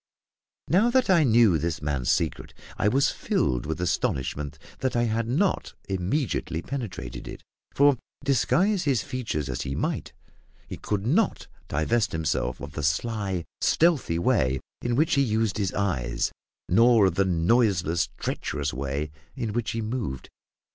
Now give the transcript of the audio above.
Now that I knew this man's secret I was filled with astonishment that I had not immediately penetrated it; for, disguise his features as he might, he could not divest himself of the sly, stealthy way in which he used his eyes, nor of the noiseless, treacherous way in which he moved.